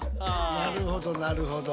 なるほどなるほど。